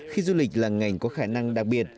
khi du lịch là ngành có khả năng đặc biệt